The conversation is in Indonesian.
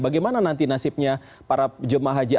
bagaimana nanti nasibnya para jemaah haji